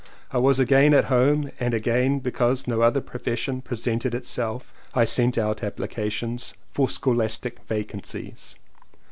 I was again at home and again because no other profession presented itself. I sent out applications for scholastic vacan cies.